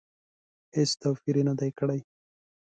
هېڅ توپیر یې نه دی کړی.